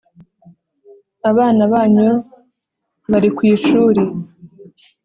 abana banyu bari ku ishuri